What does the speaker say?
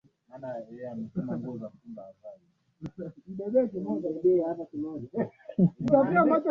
ambazo ni maarufu sana katika jamii yao